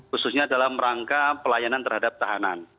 khususnya dalam rangka pelayanan terhadap tahanan